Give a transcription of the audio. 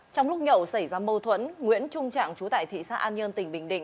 trong lúc nhậu xảy ra mâu thuẫn nguyễn trung trạng chú tại thị xã an nhơn tỉnh bình định